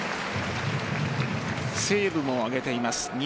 セーブも挙げています、２。